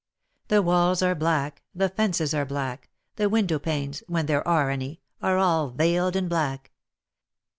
The walls are black, the fences are black, the win dow panes (when there are any) are all veiled in black.